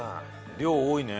量多いね。